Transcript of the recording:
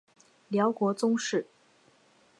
辽国宗室。